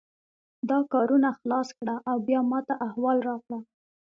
دا کارونه خلاص کړه او بیا ماته احوال راکړه